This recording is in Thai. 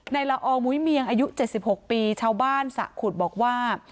ละอองมุ้ยเมียงอายุ๗๖ปีชาวบ้านสะขุดบอกว่า